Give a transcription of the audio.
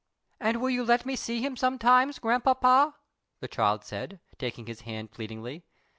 "And you will let me see him sometimes, grandpapa?" the child said, taking his hand pleadingly.